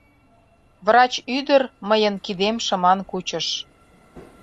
Врач ӱдыр мыйын кидем шыман кучыш.